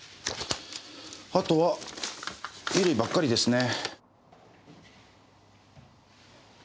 あとは衣類ばっかりですね。